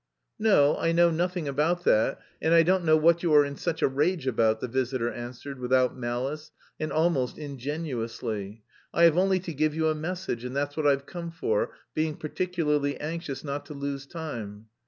"No, I know nothing about that and I don't know what you are in such a rage about," the visitor answered without malice and almost ingenuously. "I have only to give you a message, and that's what I've come for, being particularly anxious not to lose time.